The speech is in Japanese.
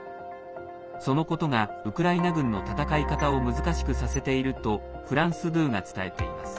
そのことがウクライナ軍の戦い方を難しくさせているとフランス２が伝えています。